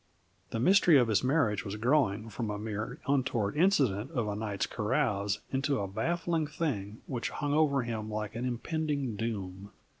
The mystery of his marriage was growing from a mere untoward incident of a night's carouse into a baffling thing which hung over him like an impending doom.